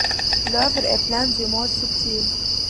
L’œuvre est pleine d’humour subtil.